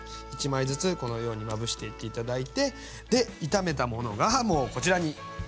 １枚ずつこのようにまぶしていって頂いてで炒めたものがもうこちらにできております。